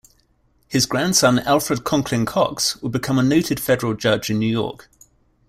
His grandson Alfred Conkling Coxe would become a noted federal judge in New York.